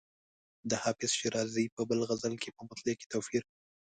د حافظ شیرازي په بل غزل کې په مطلع کې توپیر.